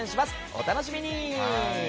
お楽しみに！